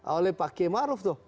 oleh pak k maruf tuh